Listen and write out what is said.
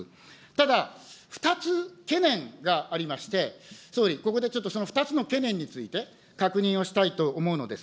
ただ、２つ懸念がありまして、総理、ここでちょっとその２つの懸念について、確認をしたいと思うのです。